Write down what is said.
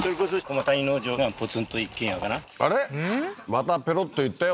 またペロッと言ったよ